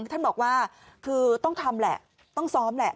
ท่านบอกว่าคือต้องทำแหละต้องซ้อมแหละ